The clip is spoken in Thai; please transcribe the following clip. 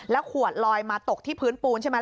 ขวดลอยมาตกที่พื้นปูนใช่ไหม